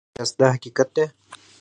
په خټه کې پټ یاست دا حقیقت دی.